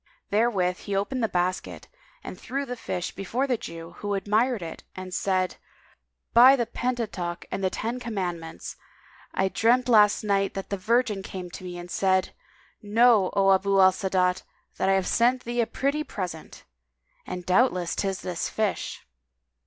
Therewith he opened the basket and threw the fish before the Jew who admired it and said, "By the Pentateuch and the Ten Commandments, [FN#203] I dreamt last night that the Virgin came to me and said, 'Know, O Abu al Sa'adat, that I have sent thee a pretty present!' and doubtless 'tis this fish."